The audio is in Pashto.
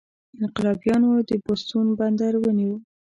انقلابیانو د بوستون بندر ونیو.